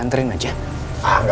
tidak ada apa apa